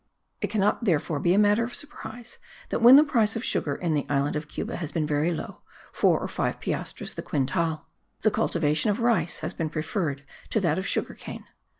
It cannot therefore be matter of surprise that when the price of sugar in the island of Cuba has been very low (four or five piastres the quintal), the cultivation of rice has been preferred to that of the sugar cane.